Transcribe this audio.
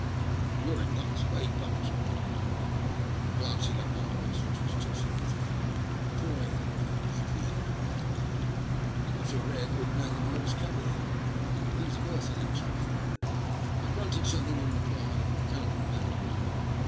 "You're in luck's way, Bartrand," cried Nikola, glancing at my horse, which was tossing his head and pawing the ground as if eager to bo off again ;" that's a rare good nag of yours, cabby. He's worth an extra fare." I grunted something in reply, I cannot remember what.